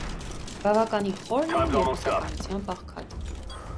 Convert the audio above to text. Բավական խորն է և բուսականությամբ աղքատ։